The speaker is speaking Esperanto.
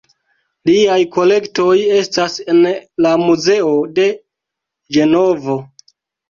Liaj kolektoj estas en la muzeo de Ĝenovo.